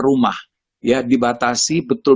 rumah ya dibatasi betul